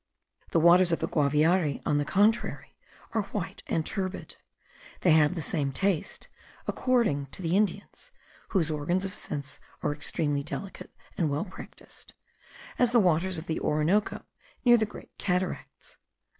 The waters of the Guaviare, on the contrary, are white and turbid; they have the same taste, according to the Indians (whose organs of sense are extremely delicate and well practised), as the waters of the Orinoco near the Great Cataracts.